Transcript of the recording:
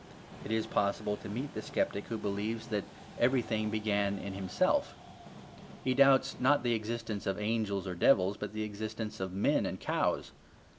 It is possible to meet the sceptic who believes that everything began in himself. He doubts not the existence of angels or devils, but the existence of men and cows.